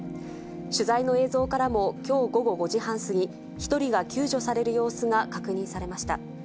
取材の映像からも、きょう午後５時半過ぎ、１人が救助される様子が確認されました。